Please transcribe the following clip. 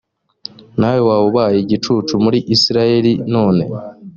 nawe waba ubaye igicucu muri isirayeli none